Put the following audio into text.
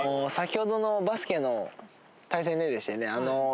先ほどのバスケの対戦ででしてね